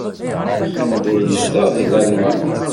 Anda ay yezdeɣ deg Lalman?